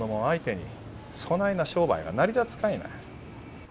相手にそないな商売が成り立つかいな。